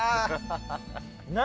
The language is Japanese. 何？